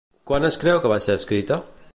Quan es creu que va ser escrita?